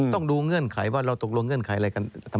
ต้องดูเงื่อนไขว่าเราตกลงเงื่อนไขอะไรกัน